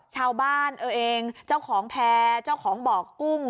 ชาวบ้านเออเองเจ้าของแพร่เจ้าของบ่อกุ้ง